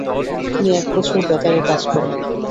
তিনি এক বছর বেতারে কাজ করেন।